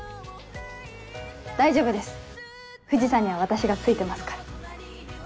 大丈夫です藤さんには私がついてますから。